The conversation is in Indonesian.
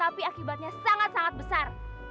tapi akibatnya sangat sangat besar